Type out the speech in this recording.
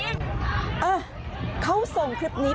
อ่ะเขาส่งคลิปนี้